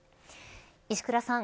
石倉さん